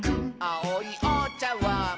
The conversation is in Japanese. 「あおいおちゃわん」